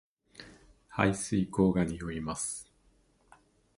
排水溝が臭います